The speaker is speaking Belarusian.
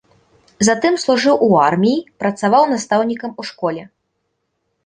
Затым служыў у арміі, працаваў настаўнікам у школе.